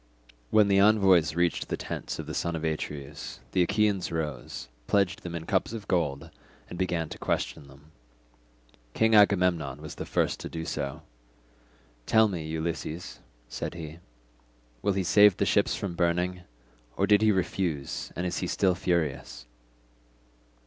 When the envoys reached the tents of the son of Atreus, the Achaeans rose, pledged them in cups of gold, and began to question them. King Agamemnon was the first to do so. "Tell me, Ulysses," said he, "will he save the ships from burning, or did he refuse, and is he still furious?"